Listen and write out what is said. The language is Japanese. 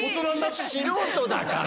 素人だから。